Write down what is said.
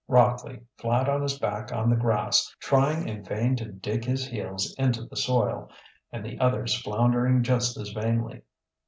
Rockley, flat on his back on the grass, trying in vain to dig his heels into the soil, and the others floundering just as vainly.